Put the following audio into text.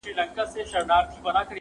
« په هجران کي غم د یار راسره مل دی.!